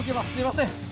すいません。